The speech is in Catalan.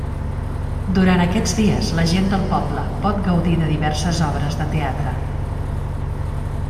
Durant aquests dies, la gent del poble pot gaudir de diverses obres de teatre.